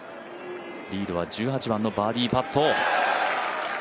リードは１８番のバーディーパット。